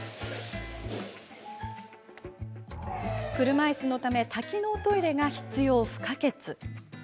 車いすのため多機能トイレが必要不可欠。